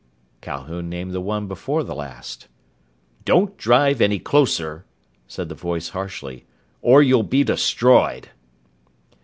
Calhoun named the one before the last. "Don't drive any closer," said the voice harshly, "or you'll be destroyed!"